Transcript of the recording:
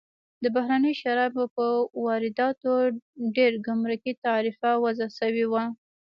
د بهرنیو شرابو پر وارداتو ډېر ګمرکي تعرفه وضع شوې وه.